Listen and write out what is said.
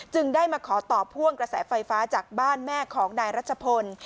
ได้มาขอต่อพ่วงกระแสไฟฟ้าจากบ้านแม่ของนายรัชพล